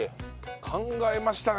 考えましたね。